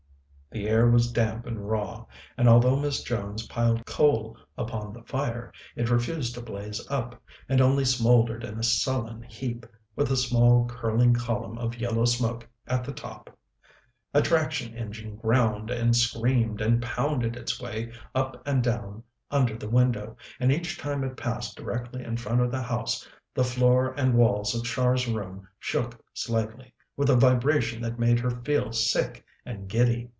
The air was damp and raw; and although Miss Jones piled coal upon the fire, it refused to blaze up, and only smouldered in a sullen heap, with a small curling column of yellow smoke at the top. A traction engine ground and screamed and pounded its way up and down under the window, and each time it passed directly in front of the house the floor and walls of Char's room shook slightly, with a vibration that made her feel sick and giddy.